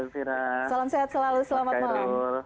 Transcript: salam sehat selalu selamat malam